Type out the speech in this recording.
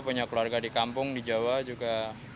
punya keluarga di kampung di jawa juga